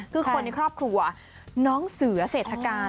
คือคนในครอบครัวน้องเสือเศรษฐการ